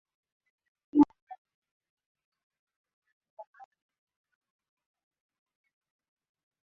kaskazini falme za Wahausa na Songhai ambazo zilitawaliwa na